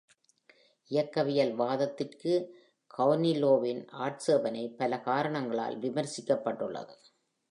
இயக்கவியல் வாதத்திற்கு கௌனிலோவின் ஆட்சேபனை பல காரணங்களால் விமர்சிக்கப்பட்டுள்ளது.